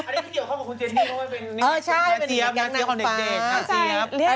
อันนี้มันเกี่ยวกับคุณเจนี่เพราะว่าเป็นหน้าเจี๊ยบหน้าเจี๊ยบของเด็ก